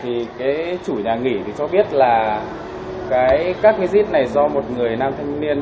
hiện tại chủ nhà nghỉ cho biết là các cái dít này do một người nam thanh niên